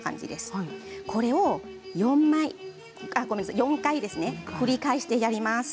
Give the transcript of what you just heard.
これを４回繰り返します。